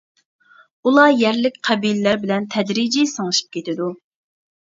ئۇلار يەرلىك قەبىلىلەر بىلەن تەدرىجىي سىڭىشىپ كېتىدۇ.